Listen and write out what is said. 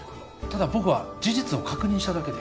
ただ僕は事実を確認しただけで。